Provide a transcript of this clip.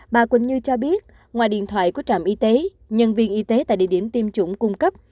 bà quỳnh như cho biết ngoài điện thoại của trạm y tế nhân viên y tế tại địa điểm tiêm chủng cung cấp